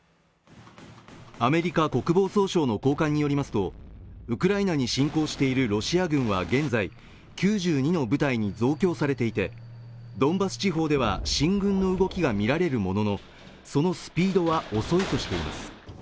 アメリカ国防総省の高官によりますとウクライナに侵攻しているロシア軍は現在、９２の部隊に増強されていて、ドンバス地方では進軍の動きが見られるものの、そのスピードは遅いとしています。